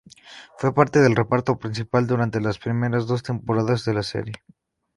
Fue parte del reparto principal durante las primeras dos temporadas de la serie.